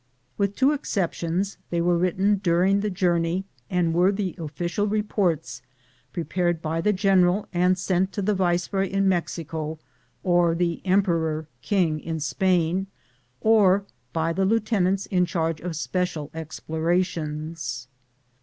With two exceptions they were written during the journey, and were the official reports prepared by the general and sent to the viceroy in Mexico or the emperor king in Spain, or by the lieutenants in charge of special explorations.